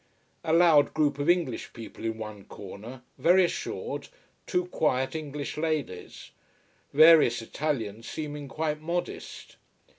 A loud group of English people in one corner, very assured: two quiet English ladies: various Italians seeming quite modest.